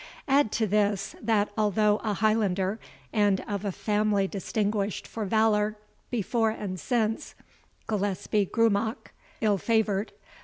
Add to this, that although a Highlander, and of a family distinguished for valour before and since, Gillespie Grumach [GRUMACH ill favored.